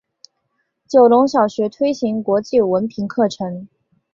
九龙小学推行国际文凭课程。